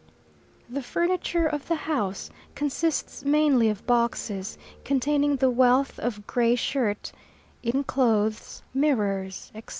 The furniture of the house consists mainly of boxes, containing the wealth of Gray Shirt, in clothes, mirrors, etc.